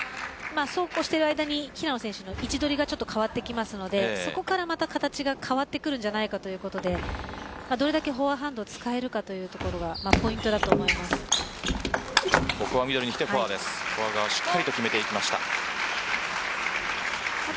そうこうしている間に平野選手の位置取りが変わってきますのでそこからまた形が変わってくるんじゃないかということでどれだけフォアハンドを使えるかというところがここはミドルにきてフォアです。